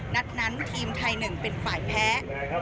นัดนั้นทีมไทย๑เป็นฝ่ายแพ้